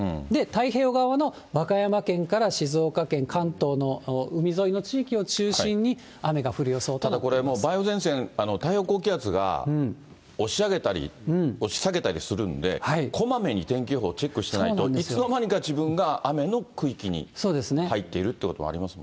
太平洋側の和歌山県から静岡県、関東の海沿いの地域を中心に、雨ただこれ、梅雨前線、太平洋高気圧が押し上げたり、押し下げたりするんで、こまめに天気予報チェックしないと、いつの間にか自分が雨の区域に入っているってこともあります